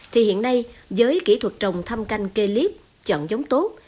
thì hiện nay với kỹ thuật trồng thăm canh kê chọn giống tốt